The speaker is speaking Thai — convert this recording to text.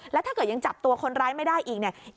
แล้วถ้าเกิดยังจับตัวคนร้ายไม่ได้อีกเนี่ย